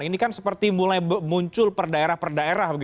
ini kan seperti mulai muncul per daerah per daerah